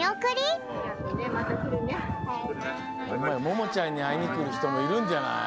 ももちゃんにあいにくるひともいるんじゃない？